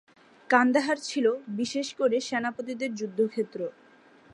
কান্দাহার ছিল বিশেষ করে সেনাপতিদের যুদ্ধক্ষেত্র।